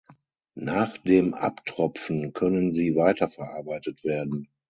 Nach dem Abtropfen können sie weiterverarbeitet werden.